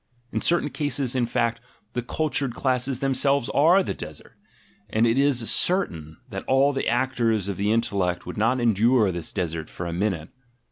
In certain cases, in fact, the cultured classes themselves are the desert. And it is certain that all the actors of the intellect would not endure this desert for a minute.